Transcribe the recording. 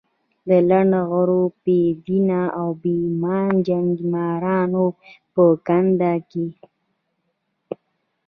د لنډه غرو، بې دینه او بې ایمانه جنګمارانو په ګند کې.